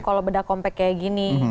kalau beda kompak kayak gini